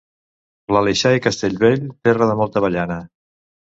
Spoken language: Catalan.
L'Aleixar i Castellvell, terra de molta avellana.